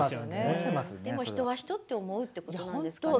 でも「人は人」って思うってことなんですかね。